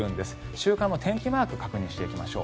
週間の天気マークを確認していきましょう。